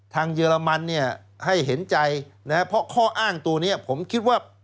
ทางเยอรมันให้เห็นใจเพราะข้ออ้างตัวนี้ผมคิดว่า